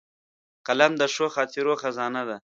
قلم د ښو خاطرو خزانه ده